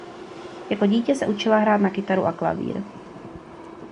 Jako dítě se učila hrát na kytaru a klavír.